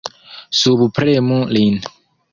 Subpremu lin!